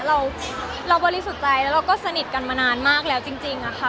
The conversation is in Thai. เราก็บอลิสุจรัยเราก็สนิทกันมานานมากแล้วจริงค่ะ